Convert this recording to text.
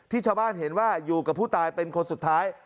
ชาวบ้านเห็นว่าอยู่กับผู้ตายเป็นคนสุดท้าย